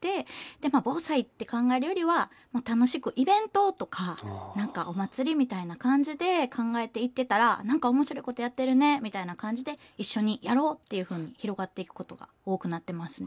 でまあ防災って考えるよりは楽しくイベントとか何かお祭りみたいな感じで考えていってたら何か面白いことやってるねみたいな感じで一緒にやろうっていうふうに広がっていくことが多くなってますね。